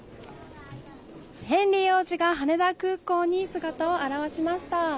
ヘンリー王子が羽田空港に姿を現しました。